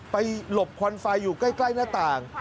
หลบควันไฟอยู่ใกล้หน้าต่าง